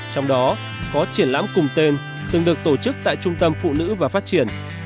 trong đó có triển lãm cùng tên từng được tổ chức tại trung tâm phụ nữ và phát triển